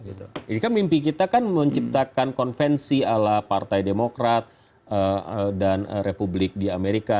ini kan mimpi kita kan menciptakan konvensi ala partai demokrat dan republik di amerika